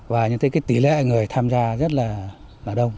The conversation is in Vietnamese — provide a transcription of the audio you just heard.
và những tỷ lệ người tham gia rất là đông